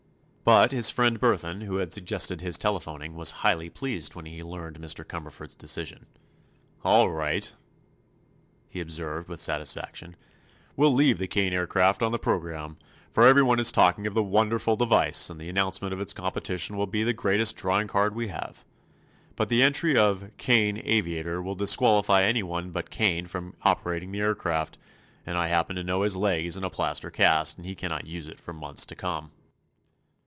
But his friend Burthon, who had suggested his telephoning, was highly pleased when he learned Mr. Cumberford's decision. "All right," he observed, with satisfaction; "we'll leave the Kane Aircraft on the programme, for everyone is talking of the wonderful device and the announcement of its competition will be the greatest drawing card we have. But the entry of 'Kane, Aviator' will disqualify anyone but Kane from operating the aircraft, and I happen to know his leg is in a plaster cast and he cannot use it for months to come."